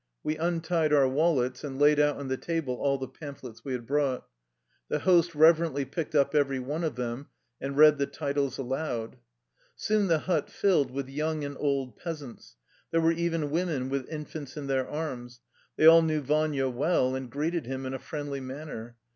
We untied our wallets and laid out on the table all the pamphlets we had brought. The host reverently picked up every one of them and read the titles aloud. Soon the hut filled with young and old peas ants. There were even women with infants in their arms. They all knew Vania well, and greeted him in a friendly manner.